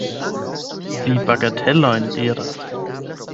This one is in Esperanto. Vi bagatelojn diras.